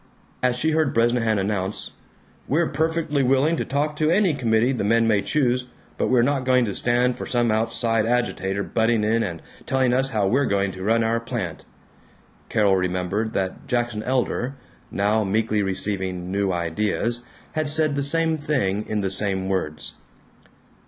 As she heard Bresnahan announce, "We're perfectly willing to talk to any committee the men may choose, but we're not going to stand for some outside agitator butting in and telling us how we're going to run our plant!" Carol remembered that Jackson Elder (now meekly receiving New Ideas) had said the same thing in the same words.